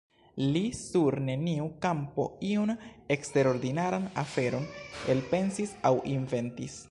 Li sur neniu kampo iun eksterordinaran aferon elpensis aŭ inventis.